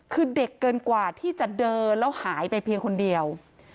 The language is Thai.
คือเด็กเกินกว่าที่จะเดินแล้วหายไปเพียงคนเดียว